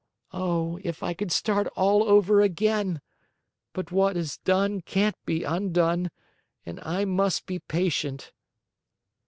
Oh, if I could start all over again! But what is done can't be undone, and I must be patient!"